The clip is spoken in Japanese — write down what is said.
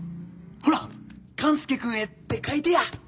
ほら「勘介くんへ」って書いてや。